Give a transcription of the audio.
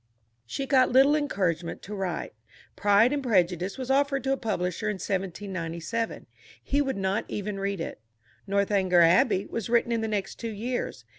She got little encouragement to write. Pride and Prejudice was offered to a publisher in 1797: he would not even read it. Northanger Abbey was written in the next two years.